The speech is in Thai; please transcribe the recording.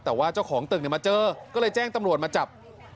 แต่ว่าเจ้าของตึกมาเจอก็เลยแจ้งตำรวจมาจับ